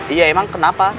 iya emang kenapa